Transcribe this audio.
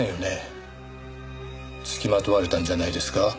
つきまとわれたんじゃないですか？